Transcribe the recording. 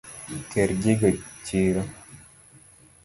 Ter gigo chiro.